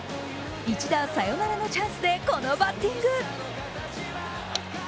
一打サヨナラのチャンスでこのバッティング。